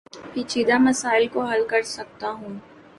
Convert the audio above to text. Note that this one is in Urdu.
پیچیدہ مسائل کو حل کر سکتا ہوں